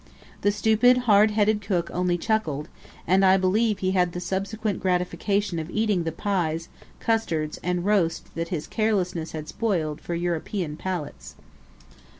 The stupid, hard headed cook only chuckled, and I believe he had the subsequent gratification of eating the pies, custards, and roast that his carelessness had spoiled for European palates.